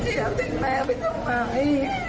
เจี๊ยบถึงแม่ไปทำไม